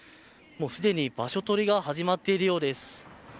すでに場所取りが始まっているようです。